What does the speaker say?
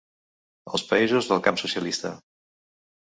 Els països del camp socialista.